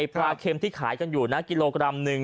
ปลาเค็มที่ขายกันอยู่นะกิโลกรัมหนึ่ง